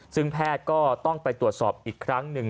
ซึ่งแพทย์ก็ต้องไปตรวจสอบอีกครั้งหนึ่ง